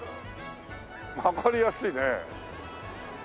わかりやすいね。